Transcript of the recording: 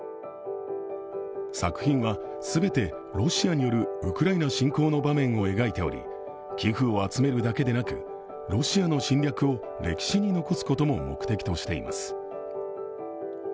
作品は全てロシアによるウクライナ侵攻の場面を描いており寄付を集めるだけでなくロシアの侵略を歴史に残すことも目的としています。